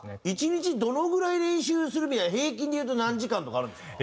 １日どのぐらい練習するみたいな平均でいうと何時間とかあるんですか？